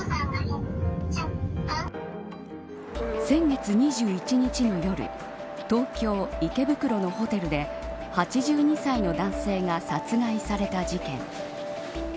先月２１日の夜東京、池袋のホテルで８２歳の男性が殺害された事件。